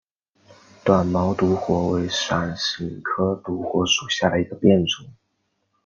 短毛独活为伞形科独活属下的一个变种。